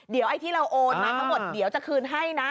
เดี๋ยวไอ้ที่เราโอนมาทั้งหมดเดี๋ยวจะคืนให้นะ